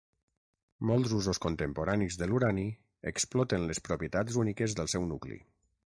Molts usos contemporanis de l'urani exploten les propietats úniques del seu nucli.